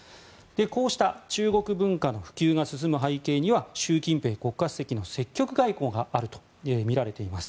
こうした中国文化の普及が進む背景には習近平国家主席の積極外交があるとみられています。